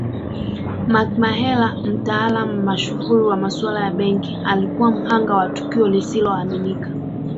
Mark Mahela mtaalamu mashuhuri wa masuala ya benki alikuwa mhanga wa tukio lisiloaminika